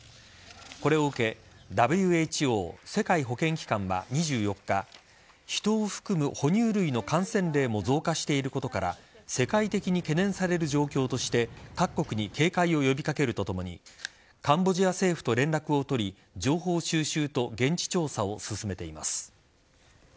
これを受けＷＨＯ＝世界保健機関は２４日ヒトを含む哺乳類の感染例も増加していることから世界的に懸念される状況として各国に警戒を呼び掛けるとともにカンボジア政府と連絡を取り情報収集と現地調査を進めています。